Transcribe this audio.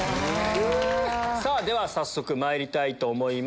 早速まいりたいと思います。